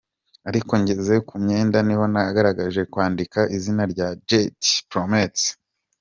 Ariko ngeze ku myenda niho nagerageje kwandika izina rya Je te promets.